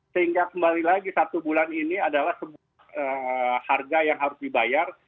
sehingga kembali lagi satu bulan ini adalah sebuah harga yang harus dibayar